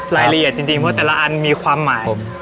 รายละเอียดจริงเพราะแต่ละอันมีความหมาย